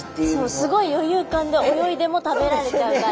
すごい余裕感で泳いでも食べられちゃうから。